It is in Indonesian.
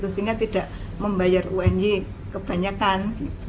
sehingga tidak membayar unj kebanyakan